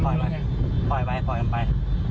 ช่างมันปล่อยไปไปไป